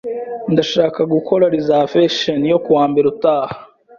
Ndashaka gukora reservation yo kuwa mbere utaha.